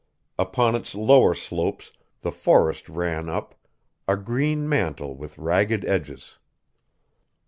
Upon its lower slopes the forest ran up, a green mantle with ragged edges.